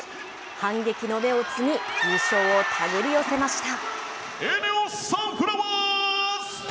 反撃の芽を摘み、優勝をたぐり寄せました。